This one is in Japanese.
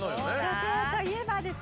女性といえばですね。